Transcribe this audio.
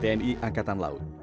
tni angkatan laut